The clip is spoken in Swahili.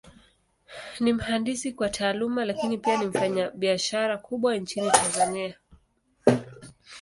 Ni mhandisi kwa Taaluma, Lakini pia ni mfanyabiashara mkubwa Nchini Tanzania.